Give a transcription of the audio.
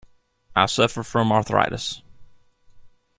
I suffer from arthritis.